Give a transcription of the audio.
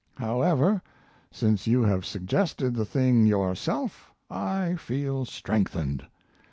However, since you have suggested the thing yourself, I feel strengthened.